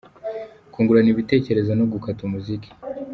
Kungurana ibitekerezo no gukata umuziki.